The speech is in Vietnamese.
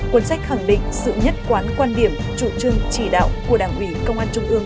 cuốn sách khẳng định sự nhất quán quan điểm chủ trương chỉ đạo của đảng ủy công an trung ương